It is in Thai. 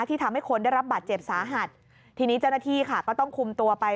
ทำให้คนได้รับบาดเจ็บสาหัสทีนี้เจ้าหน้าที่ค่ะก็ต้องคุมตัวไป